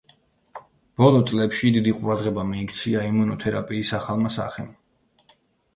ბოლო წლებში დიდი ყურადღება მიიქცია იმუნოთერაპიის ახალმა სახემ.